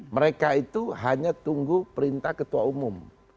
mereka itu hanya tunggu perintah ketua umum